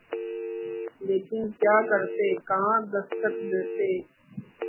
لیکن کیا کرتے، کہاں دستک دیتے؟